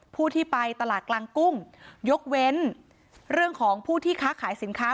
ผู้ที่ไปตลาดกลางกุ้งยกเว้นเรื่องของผู้ที่ค้าขายสินค้า